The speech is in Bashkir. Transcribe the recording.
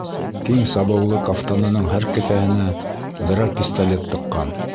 Киң сабыулы кафтанының һәр кеҫәһенә берәр пистолет тыҡҡан.